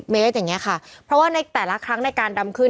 เมตรอย่างนี้ค่ะเพราะว่าในแต่ละครั้งในการดำขึ้น